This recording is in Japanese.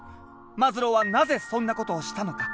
マズローはなぜそんなことをしたのか？